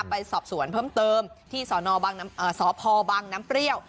ไปสอบสวนเพิ่มเติมที่สพบังน้ำเปรี้ยว